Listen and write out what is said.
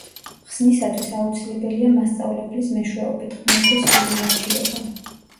ხსნისათვის აუცილებელია, მასწავლებლის მეშვეობით, ღმერთის სრული მორჩილება.